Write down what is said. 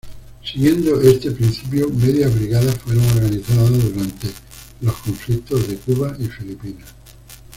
Siguiendo este principio, medias brigadas fueron organizadas durante los conflictos de Cuba y Filipinas.